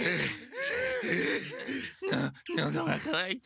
ののどがかわいた。